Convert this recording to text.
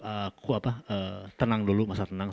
aku tenang dulu masa tenang